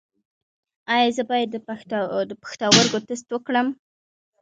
ایا زه باید د پښتورګو ټسټ وکړم؟